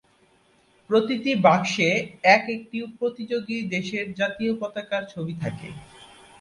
প্রতিটি বাক্সে এক একটি প্রতিযোগী দেশের জাতীয় পতাকার ছবি থাকে।